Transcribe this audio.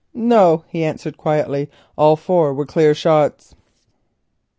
"No," he answered quietly, "all four were clear shots."